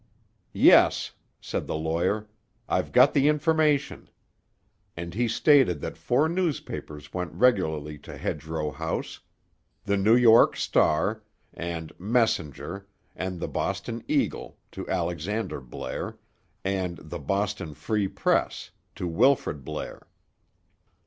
"Yes," said the lawyer. "I've got the information." And he stated that four newspapers went regularly to Hedgerow House,—The New York Star and Messenger and The Boston Eagle to Alexander Blair, and The Boston Free Press to Wilfrid Blair.